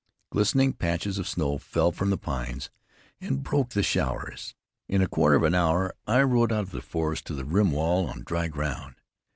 Glistening patches of snow fell from the pines, and broke the showers. In a quarter of an hour, I rode out of the forest to the rim wall on dry ground.